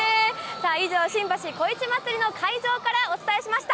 さあ、以上、新橋こいち祭の会場からお伝えしました。